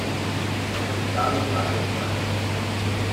Essere il gallo della Checca.